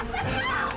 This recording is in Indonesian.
makasih ya mas